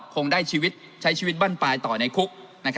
คงได้ชีวิตใช้ชีวิตบั้นปลายต่อในคุก